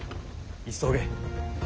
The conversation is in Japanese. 急げ。